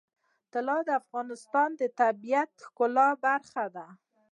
طلا د افغانستان د طبیعت د ښکلا برخه ده.